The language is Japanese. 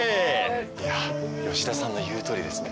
いや吉田さんの言うとおりですね。